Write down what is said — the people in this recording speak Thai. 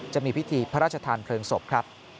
จะมีพิธีพระราชทานเพลิงศพครับ